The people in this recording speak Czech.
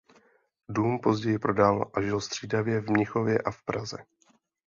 Dům později prodal a žil střídavě v Mnichově a v Praze.